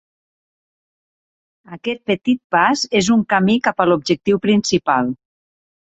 Aquest petit pas és un camí cap a l'objectiu principal.